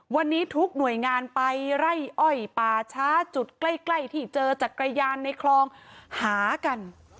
วันนี้ทุกหน่วยงานไปไล่อ้อยป่าช้าจุดใกล้ที่เจอจักรยานในคลองหากัน